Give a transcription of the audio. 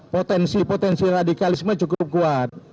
potensi potensi radikalisme cukup kuat